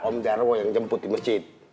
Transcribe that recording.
om jarwo yang jemput di masjid